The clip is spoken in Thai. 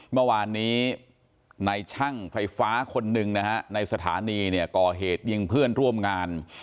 เมื่อวานนี้ในช่างไฟฟ้าคนหนึ่งนะฮะในสถานีเนี่ยก่อเหตุยิงเพื่อนร่วมงาน